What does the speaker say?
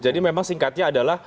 jadi memang singkatnya adalah